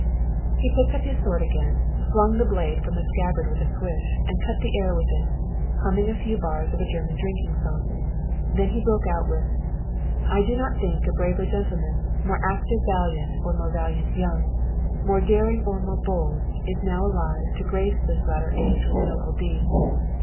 He picked up his sword again, flung the blade from the scabbard with a swish, and cut the air with it, humming a few bars of a German drinking song. Then he broke out with: "I do not think a braver gentleman, More active valiant or more valiant young, More daring or more bold, is now alive To grace this latter age with noble deeds.